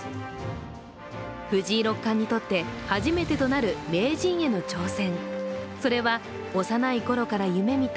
藤井六冠にとって初めてとなる名人への挑戦。